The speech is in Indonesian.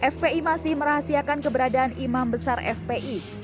fpi masih merahasiakan keberadaan imam besar fpi